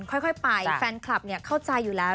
ค่อยไปแฟนคลับเข้าใจอยู่แล้ว